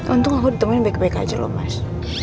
untung aku ditemuin back baik aja loh mas